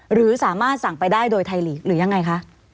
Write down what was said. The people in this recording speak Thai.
หรือสามารถสั่งไปได้โดยไทยลีกหรือยังไงคะ